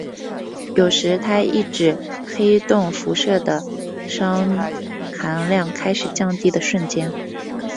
有时它亦指黑洞辐射的熵含量开始降低的瞬间。